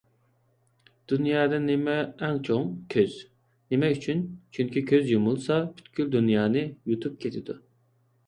_ دۇنيادا نېمە ئەڭ چوڭ؟ _ كۆز. _ نېمە ئۈچۈن؟ _ چۈنكى كۆز يۇمۇلسا، پۈتكۈل دۇنيانى يۇتۇپ كېتىدۇ